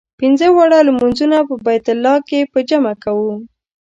پنځه واړه لمونځونه په بیت الله کې په جمع کوو.